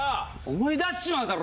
思い出しちまうだろ！